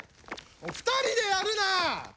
２人でやるな！